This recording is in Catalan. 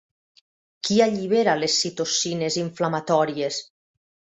Qui allibera les citocines inflamatòries?